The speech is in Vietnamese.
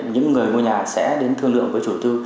những người mua nhà sẽ đến thương lượng với chủ tư